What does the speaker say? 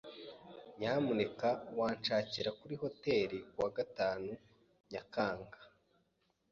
Nyamuneka wanshakira kuri hoteri kuwa gatanu Nyakanga Nyakanga h?